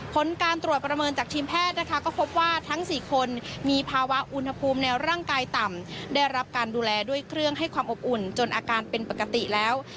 ผลการตรวจประเมินจากทีมแพทย์นะคะก็พบว่าทั้ง๔คนมีภาวะอุณหภูมิในร่างกายต่ำได้รับการดูแลด้วยเครื่องให้ความอบอุ่นจนอาการเป็นปกติแล้ว